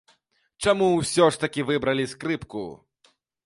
Чаму ўсё ж такі выбралі скрыпку?